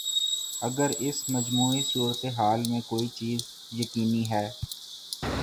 اگر اس مجموعی صورت حال میں کوئی چیز یقینی ہے۔